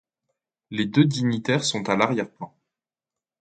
Les deux dignitaires sont à l’arrière plan.